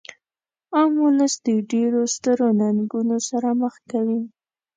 عام ولس د ډیرو سترو ننګونو سره مخ کوي.